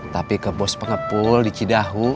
tapi ke bos pengepul di cidahu